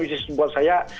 itu buat saya